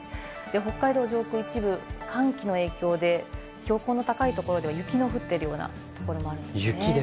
北海道上空、一部寒気の影響で標高の高い所では雪が降っているところもあります。